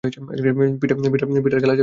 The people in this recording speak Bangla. পিট, আর গেলা যাবে না।